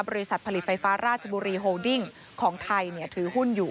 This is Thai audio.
บริษัทผลิตไฟฟ้าราชบุรีโฮดิ้งของไทยถือหุ้นอยู่